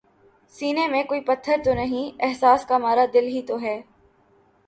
سینے میں کوئی پتھر تو نہیں احساس کا مارا، دل ہی تو ہے